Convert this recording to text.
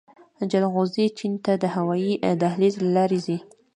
جلغوزي چین ته د هوايي دهلیز له لارې ځي